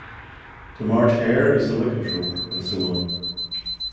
The March Hare is a lycanthrope, and so on.